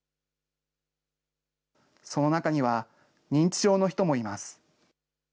その中には認知症の人もいます。